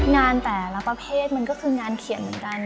งานแต่ละประเภทมันก็คืองานเขียนเหมือนกัน